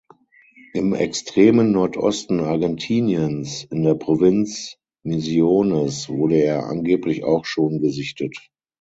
Im extremen Nordosten Argentiniens in der Provinz Misiones wurde er angeblich auch schon gesichtet.